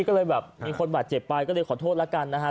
ก็เลยแบบมีคนบาดเจ็บไปก็เลยขอโทษแล้วกันนะฮะ